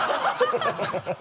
ハハハ